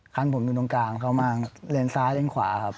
คันผมอยู่ตรงกลางเข้ามาเลนซ้ายเลนขวาครับ